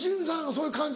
そういう感じ？